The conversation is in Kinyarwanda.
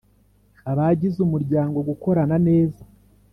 abagize umuryango gukorana neza